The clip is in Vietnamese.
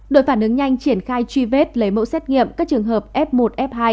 đội phản ứng nhanh triển khai truy vết lấy mẫu xét nghiệm các trường hợp f một f hai